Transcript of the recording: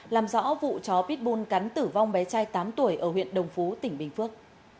làm rõ vụ chó pitbull cắn tử vong bé trai tám tuổi ở huyện đồng phú tỉnh bình phước